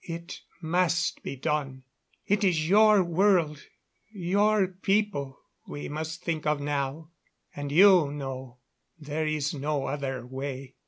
"It must be done. It is your world your people we must think of now. And you know there is no other way."